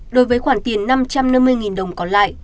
đối với khoản tiền năm trăm năm mươi đồng còn lại